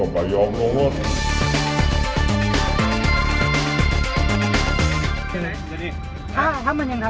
ผมก็ทำว่าถาม